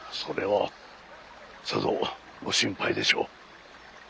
それはさぞご心配でしょう。